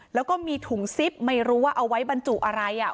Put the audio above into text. แล้วก็มีถุงซิปไม่รู้ว่าเอาไว้บรรจุอะไรอ่ะ